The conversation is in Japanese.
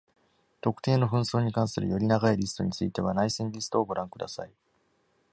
特定の紛争に関するより長いリストについては、内戦リストをご覧ください。